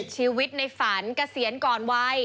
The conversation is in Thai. ชีวิตในฝันกระเสียงก่อนวัย